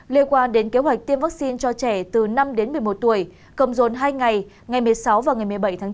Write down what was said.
liên quan đến kế hoạch tiêm vaccine cho trẻ từ năm đến một mươi một tuổi cầm dồn hai ngày ngày một mươi sáu và ngày một mươi bảy tháng bốn